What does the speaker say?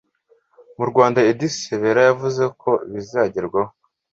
mu Rwanda Eddy Sebera yavuze ko bizagerwaho